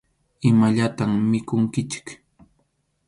Imallatam mikhunkichik.